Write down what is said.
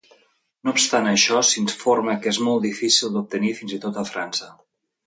No obstant això, s'informa que és molt difícil d'obtenir fins i tot a França.